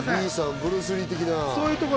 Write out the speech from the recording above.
ブルース・リー的な。